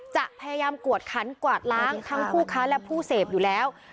จะพยายามกวดขันกวาดล้างทั้งผู้ค้าและผู้เสพอยู่แล้ว